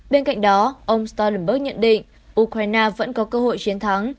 bên cạnh đó ông stolnberg nhận định ukraine vẫn có cơ hội chiến thắng